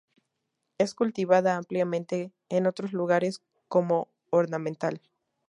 Es cultivada ampliamente en otros lugares como ornamental.